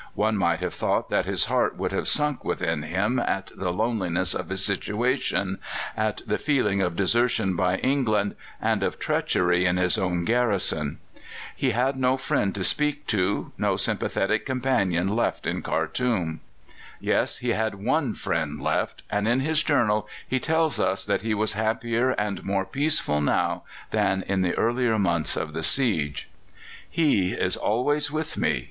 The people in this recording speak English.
One might have thought that his heart would have sunk within him at the loneliness of his situation, at the feeling of desertion by England, and of treachery in his own garrison. He had no friend to speak to, no sympathetic companion left at Khartoum. Yes, he had one Friend left, and in his journal he tells us that he was happier and more peaceful now than in the earlier months of the siege. "He is always with me.